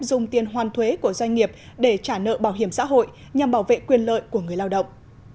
dùng tiền hoàn thuế của doanh nghiệp để trả nợ bảo hiểm xã hội nhằm bảo vệ quyền lợi của người lao động